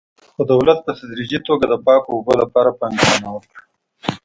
خو دولت په تدریجي توګه د پاکو اوبو لپاره پانګونه وکړه.